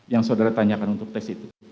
yang saudara tanyakan untuk tes itu